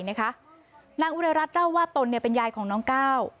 นางอุไรรัฐเล่าว่าตนเป็นยายของน้องก้าว